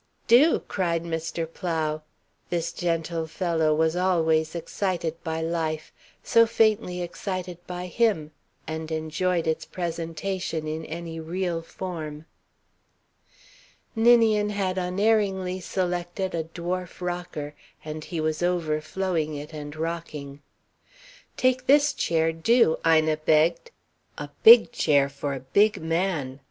"Do!" cried Mr. Plow. This gentle fellow was always excited by life, so faintly excited by him, and enjoyed its presentation in any real form. Ninian had unerringly selected a dwarf rocker, and he was overflowing it and rocking. "Take this chair, do!" Ina begged. "A big chair for a big man."